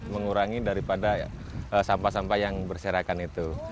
mengurangi daripada sampah sampah yang berserakan itu